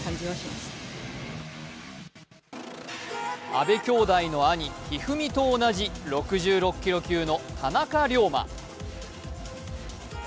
阿部きょうだいの兄・一二三と同じ６６キロ級の田中龍馬。